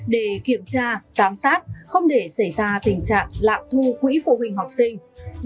để kiểm tra giám sát không để xảy ra tình trạng lạm thu quỹ phụ huynh học sinh